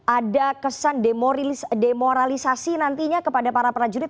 ada kesan demoralisasi nantinya kepada para prajurit